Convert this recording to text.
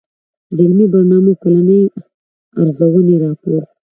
د علمي برنامو کلنۍ ارزوني راپور